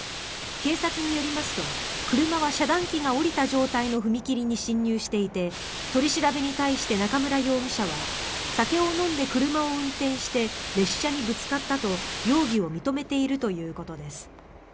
警察によりますと車は遮断機が下りた状態の踏切に進入していて取り調べに対して中村容疑者は酒を飲んで車を運転して列車にぶつかったと容疑を認めているということです。